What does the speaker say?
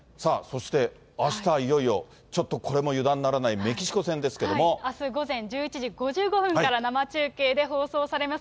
そしてあした、いよいよ、ちょっとこれも油断ならないメキシあす午前１１時５５分から生中継で放送されます。